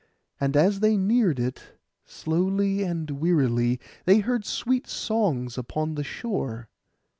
And as they neared it, slowly and wearily, they heard sweet songs upon the shore.